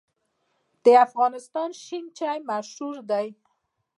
د افغانستان شین چای مشهور دی